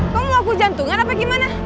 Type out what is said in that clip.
kamu mau aku jantungan apa gimana